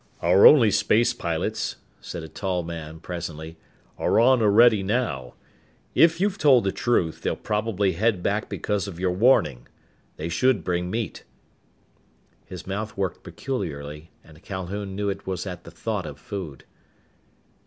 "Our only space pilots," said a tall man, presently, "are on Orede now. If you've told the truth, they'll probably head back because of your warning. They should bring meat." His mouth worked peculiarly, and Calhoun knew that it was at the thought of food.